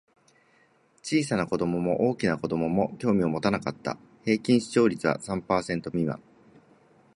小さな子供も大きな子供も興味を持たなかった。平均視聴率は三パーセント未満。